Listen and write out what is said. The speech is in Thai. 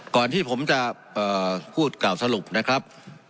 ก่อนที่ผมจะพูดกล่าวสรุปนะครับ